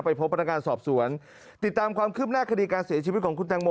พบพนักงานสอบสวนติดตามความคืบหน้าคดีการเสียชีวิตของคุณตังโม